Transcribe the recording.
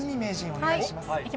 お願いします。